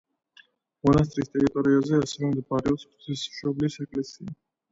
მონასტრის ტერიტორიაზე ასევე მდებარეობს ღვთისმშობლის ეკლესია.